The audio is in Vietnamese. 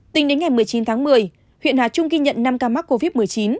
tính đến ngày một mươi chín tháng một mươi huyện hà trung ghi nhận năm ca mắc covid một mươi chín